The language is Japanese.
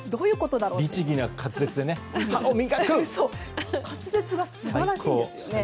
律儀な滑舌で滑舌が素晴らしいですね。